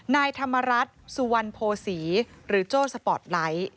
นายธรรมรัฐสุวรรณโภษีหรือโจ้สปอร์ตไลท์